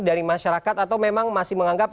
dari masyarakat atau memang masih menganggap